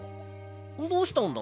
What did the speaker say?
どうしたんだ？